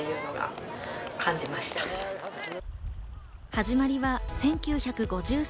始まりは１９５３年。